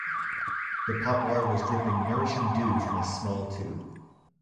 The poplar was dripping nourishing dew from a small tube.